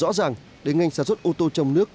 rõ ràng để ngành sản xuất ô tô trong nước